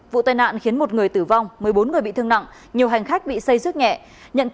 vụ tai nạn khiến một người tử vong một mươi bốn người bị thương nặng nhiều hành khách bị xây rước nhẹ